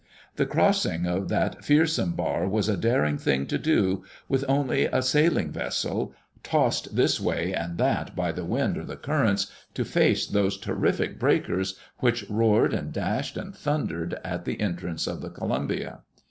The crossing of that fearsome bar was a daring thing to do, with only a sailing vessel, tossed this way and that by the wind or the currents, to face those terrific breakers which roared and dashed and thundered at the entrance of the Columbia.